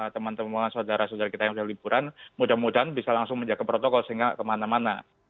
teman teman saudara saudara kita yang sudah liburan mudah mudahan bisa langsung menjaga protokol sehingga kemana mana